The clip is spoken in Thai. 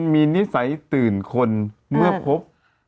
มีนิสัยตื่นคนเมื่อพบ